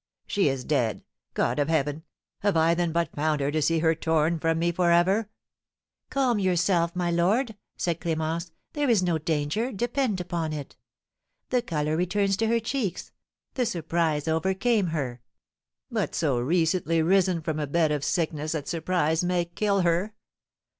She is dead! God of heaven! Have I then but found her to see her torn from me for ever?" "Calm yourself, my lord," said Clémence, "there is no danger, depend upon it. The colour returns to her cheeks; the surprise overcame her." "But so recently risen from a bed of sickness that surprise may kill her!